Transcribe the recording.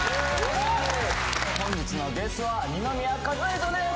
本日のゲストは二宮和也さんです